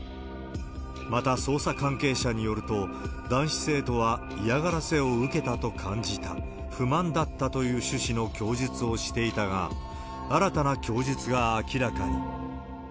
また、捜査関係者によると、男子生徒は嫌がらせを受けたと感じた、不満だったという趣旨の供述をしていたが、新たな供述が明らかに。